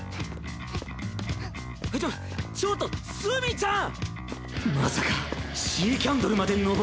ちょちょっと墨ちゃん！